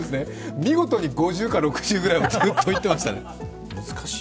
見事に５０６０ぐらいをずっといってましたね。